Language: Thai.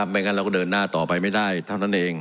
ไม่งั้นเราก็เดินหน้าต่อไปไม่ได้เท่านั้นเอง